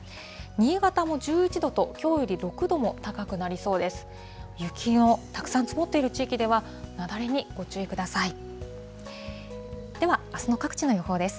新潟も１１度と、きょうより６度も高くなりそうです。